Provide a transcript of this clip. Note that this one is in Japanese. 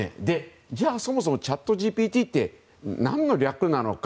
じゃあ、そもそもチャットＧＰＴとは何の略なのか。